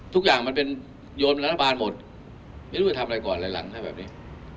ทุกอย่างมันเป็นโยนรัฐบาลหมดไม่รู้ไปทำอะไรก่อนเลยหลังถ้าแบบนี้